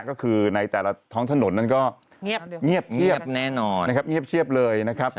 ก็คือในแต่ละท้องถนนนั้นก็เงียบแน่นอนนะครับเงียบเลยนะครับ